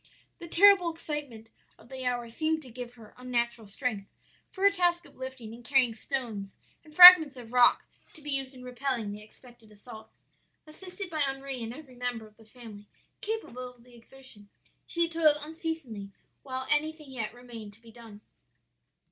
"'The terrible excitement of the hour seemed to give her unnatural strength for her task of lifting and carrying stones and fragments of rock to be used in repelling the expected assault. Assisted by Henri and every member of the family capable of the exertion, she toiled unceasingly while anything yet remained to be done.